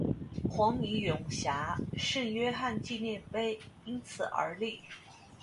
黄泥涌峡圣约翰纪念碑因此而立。